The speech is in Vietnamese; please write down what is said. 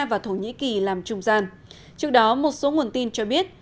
và thổ nhĩ kỳ làm trung gian trước đó một số nguồn tin cho biết